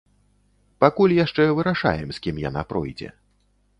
Пакуль яшчэ вырашаем, з кім яна пройдзе.